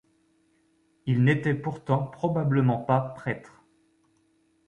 Il n'était pourtant probablement pas prêtre.